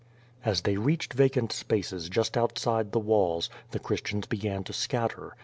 As they reached vacant spaces just outside the walls, the Christians began to scatter.